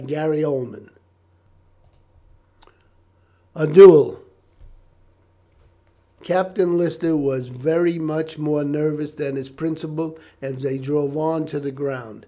CHAPTER IX A DUEL Captain Lister was very much more nervous than his principal as they drove on to the ground.